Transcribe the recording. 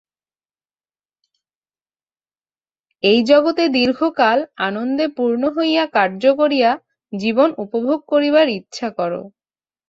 এই জগতে দীর্ঘকাল আনন্দে পূর্ণ হইয়া কার্য করিয়া জীবন উপভোগ করিবার ইচ্ছা কর।